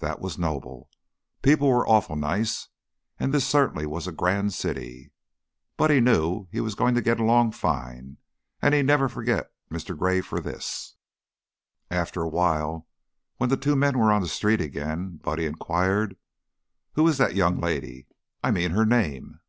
That was noble! People were awful nice. And this certainly was a grand city. Buddy knew he was going to get along fine; and he'd never forget Mr. Gray for this. After a while, when the two men were on the street again, Buddy inquired: "Who is that young lady? I mean her name?"